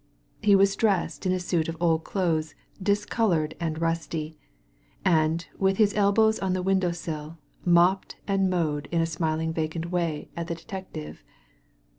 He was dressed in a suit of old clothes discoloured and rusty ; and, with his elbows on the window sill, moped and mowed in a smiling vacant way at the detective.